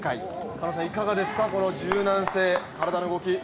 狩野さん、いかがですかこの柔軟性、体の動き。